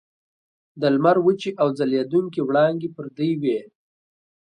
د لمر وچې او ځلیدونکي وړانګې پر دوی وې.